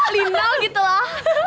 linal gitu loh